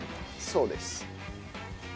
そうです。